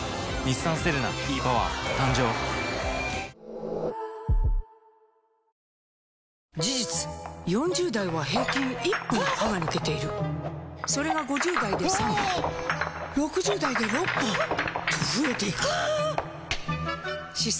ニトリ事実４０代は平均１本歯が抜けているそれが５０代で３本６０代で６本と増えていく歯槽